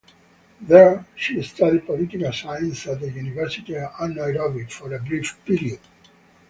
There, she studied political science at the University of Nairobi for a brief period.